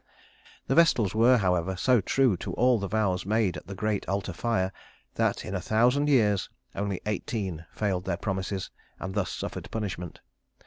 The Vestals, were, however, so true to all the vows made at the great altar fire, that in a thousand years only eighteen failed in their promises and thus suffered punishment.